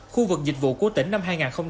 khu vực dịch vụ của bình phước đã được tăng trưởng